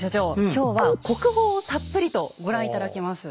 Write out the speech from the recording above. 今日は国宝をたっぷりとご覧頂きます。